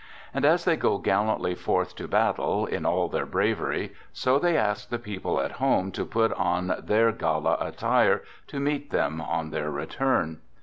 And as they go gallantly forth to battle, in all their bravery, so they ask the people at home to put on their gala attire to meet them on their return.